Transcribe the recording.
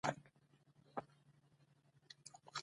دوی د افغانستان اصلي اوسېدونکي، اتباع دي،